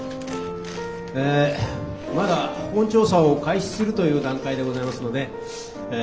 えまだ本調査を開始するという段階でございますのでえ